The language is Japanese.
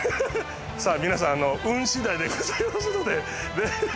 さぁ皆さん運次第でございますので。